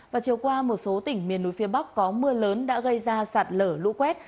và chiều qua một số tỉnh miền núi phía bắc có mưa lớn đã gây ra sạt lở lũ quét